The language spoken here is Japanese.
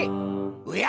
おや！